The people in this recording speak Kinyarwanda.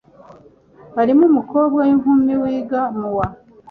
harimo umukobwa w'inkumi wiga mu wa